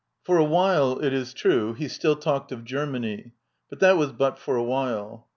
For a while, it is true, he still talked of Germany, but that was but for a while.